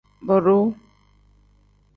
Boduu.